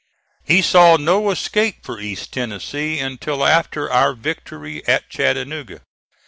He saw no escape for East Tennessee until after our victory at Chattanooga.